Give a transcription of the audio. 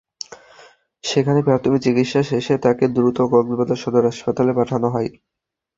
সেখানে প্রাথমিক চিকিৎসা শেষে তাঁকে দ্রুত কক্সবাজার সদর হাসপাতালে পাঠানো হয়।